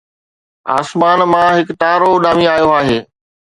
آسمان مان هڪ تارو اڏامي آيو آهي